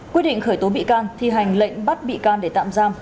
quyết định khởi tố bị can thi hành lệnh bắt bị can để tạm giam